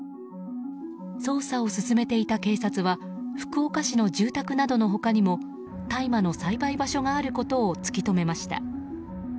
捜査を進めていた警察は福岡市の住宅などの他にも大麻の栽培場所があることを突き止めました。